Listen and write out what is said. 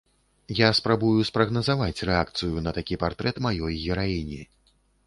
Я спрабую спрагназаваць рэакцыю на такі партрэт маёй гераіні.